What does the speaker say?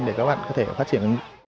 để các bạn có thể phát triển